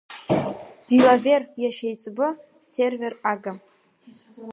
Дилавер иашьеиҵбы, сервер-ага.